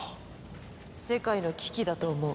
世界の危機だと思う。